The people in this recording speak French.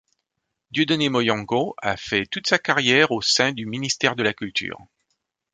Dieudonné Moyongo a fait toute sa carrière au sein du ministère de la Culture.